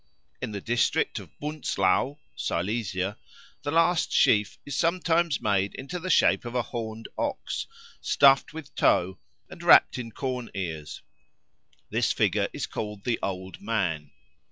In the district of Bunzlau (Silesia) the last sheaf is sometimes made into the shape of a horned ox, stuffed with tow and wrapt in corn ears. This figure is called the Old Man.